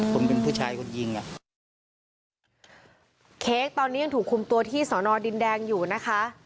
ผมเป็นผู้ชายคนยิงอ่ะเค้กตอนนี้ยังถูกคุมตัวที่สอนอดินแดงอยู่นะคะ